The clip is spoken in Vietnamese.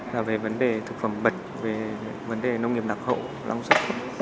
là về vấn đề thực phẩm bẩn về vấn đề nông nghiệp lạc hậu lòng sức